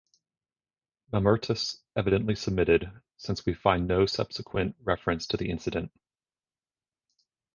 Mamertus evidently submitted, since we find no subsequent reference to the incident.